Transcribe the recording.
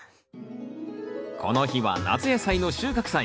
この日は夏野菜の収穫祭。